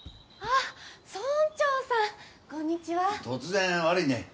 突然悪いね。